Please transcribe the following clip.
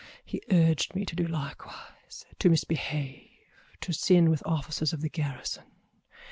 He urged me to do likewise, to misbehave, to sin with officers of the garrison.